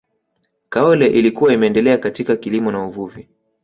kaole ilikuwa imeendelea katika kilimo na uvuvi